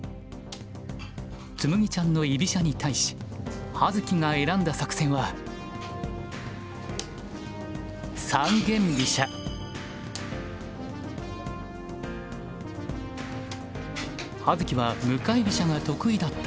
紬ちゃんの居飛車に対し葉月が選んだ作戦は葉月は向かい飛車が得意だったはず。